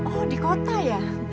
oh di kota ya